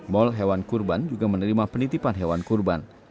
mall hewan kurban juga menerima penitipan hewan kurban